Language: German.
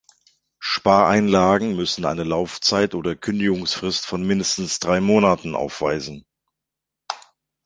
Spareinlagen müssen eine Laufzeit oder Kündigungsfrist von mindestens drei Monaten aufweisen.